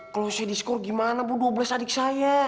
kalau saya diskor gimana bu dua belas adik saya